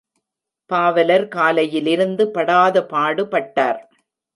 பாவலர் காலையிலிருந்து படாத பாடு பட்டார்.